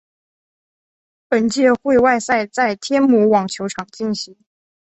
本届会外赛在天母网球场进行。